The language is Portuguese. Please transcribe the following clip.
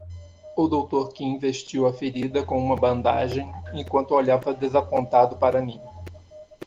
O doutor Kim vestiu a ferida com uma bandagem enquanto olhava desapontado para mim.